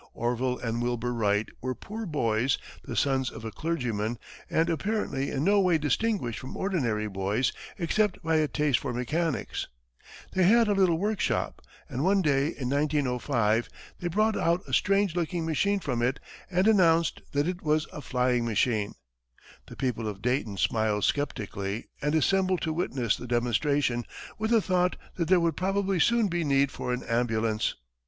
Orville and Wilbur Wright were poor boys, the sons of a clergyman, and apparently in no way distinguished from ordinary boys, except by a taste for mechanics. They had a little workshop, and one day in 1905, they brought out a strange looking machine from it, and announced that it was a flying machine. The people of Dayton smiled skeptically, and assembled to witness the demonstration with the thought that there would probably soon be need for an ambulance.